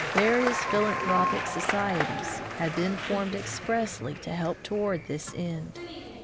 Various philanthropic societies had been formed expressly to help toward this end.